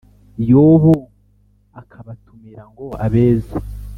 Yobu akabatumira ngo abeze